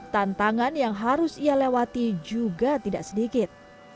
tantangan yang harus ia lewati juga tidak sedikit